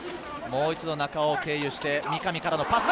もう一度、中尾を経由して三上からのパス。